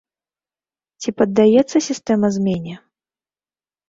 Ці паддаецца сістэма змене?